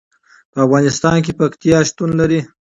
په افغانستان کې پکتیا شتون لري.